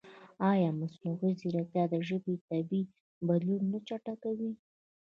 ایا مصنوعي ځیرکتیا د ژبې طبیعي بدلون نه چټکوي؟